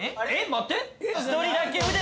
待って。